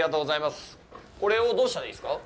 これをどうしたらいいですか。